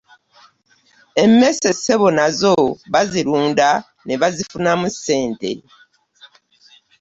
Emmese ssebo nazo bazirunda ne bazifunamu ssente!